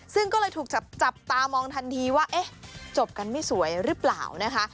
ซึ่งก็เลยถูกจับตามองทันทีว่าเอ๊ะจบกันไม่สวยหรือเปล่านะคะ